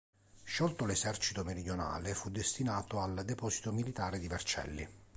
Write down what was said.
Sciolto l'esercito meridionale, fu destinato al deposito militare di Vercelli.